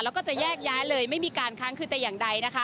แล้วก็จะแยกย้ายเลยไม่มีการค้างคืนแต่อย่างใดนะคะ